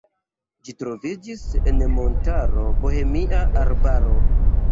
Ĝi troviĝis en montaro Bohemia arbaro.